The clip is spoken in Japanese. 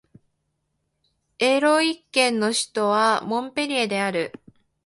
エロー県の県都はモンペリエである